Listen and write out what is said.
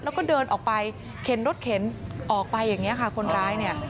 แล้วก็เดินออกไปเข็นรถเข็นออกไปอย่างนี้ค่ะคนร้ายเนี่ย